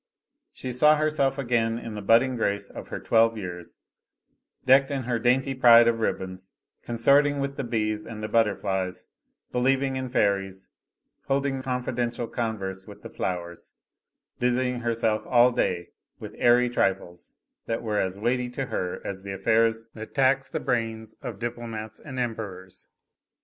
She saw herself again in the budding grace of her twelve years, decked in her dainty pride of ribbons, consorting with the bees and the butterflies, believing in fairies, holding confidential converse with the flowers, busying herself all day long with airy trifles that were as weighty to her as the affairs that tax the brains of diplomats and emperors.